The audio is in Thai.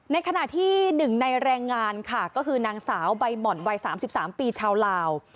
ในขณะที่หนึ่งในแรงงานค่ะก็คือนางสาวใบหม่อนวัย๓๓ปีชาวลาว